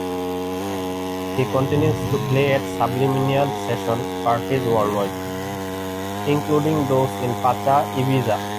He continues to play at Subliminal session parties worldwide, including those in Pacha, Ibiza.